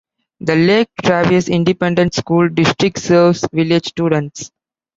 The Lake Travis Independent School District serves village students.